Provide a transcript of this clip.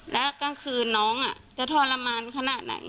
แล้วกลางคืนน้องจะทรมานขนาดไหน